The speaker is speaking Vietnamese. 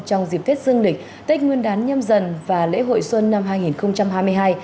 trong dịp tết dương lịch tết nguyên đán nhâm dần và lễ hội xuân năm hai nghìn hai mươi hai